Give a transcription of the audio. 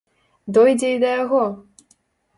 Дойдзе й да яго!